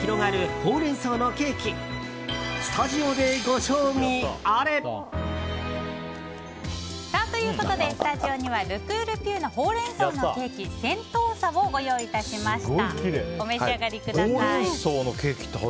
ホウレンソウのケーキスタジオでご賞味あれ！ということでスタジオにはルクールピューのホウレンソウのケーキセントーサをご用意いたしました。